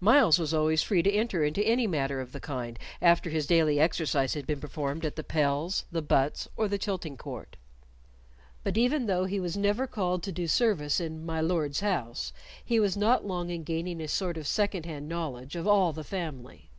Myles was always free to enter into any matter of the kind after his daily exercise had been performed at the pels, the butts, or the tilting court. But even though he was never called to do service in "my Lord's house," he was not long in gaining a sort of second hand knowledge of all the family.